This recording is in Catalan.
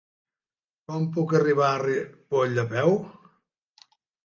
Com puc arribar a Ripoll a peu?